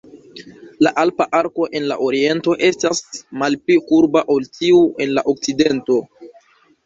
La alpa arko en la oriento estas malpli kurba ol tiu en la okcidento.